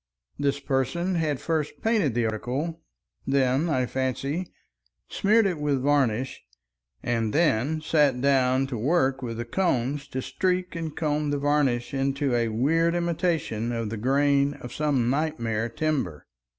This person had first painted the article, then, I fancy, smeared it with varnish, and then sat down to work with the combs to streak and comb the varnish into a weird imitation of the grain of some nightmare timber.